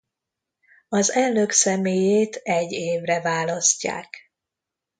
Az elnök személyét egy évre választják.